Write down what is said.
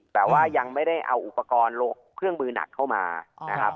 แต่ว่ายังไม่ได้เอาอุปกรณ์เครื่องมือหนักเข้ามานะครับ